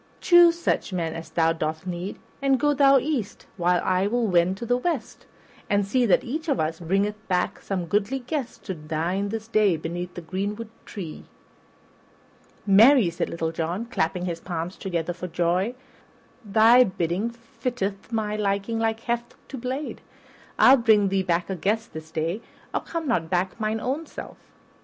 Choose such men as thou dost need, and go thou east while I will wend to the west, and see that each of us bringeth back some goodly guest to dine this day beneath the greenwood tree." "Marry," cried Little John, clapping his palms together for joy, "thy bidding fitteth my liking like heft to blade. I'll bring thee back a guest this day, or come not back mine own self."